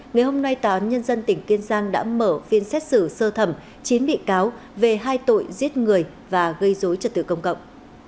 ngày hôm nay tòa án nhân dân tỉnh kiên giang đã mở phiên xét xử sơ thẩm chín bị cáo về hai tội giết người và gây dối trật tự công cộng